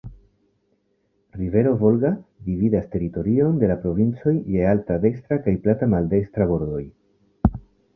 Rivero Volga dividas teritorion de la provinco je alta dekstra kaj plata maldekstra bordoj.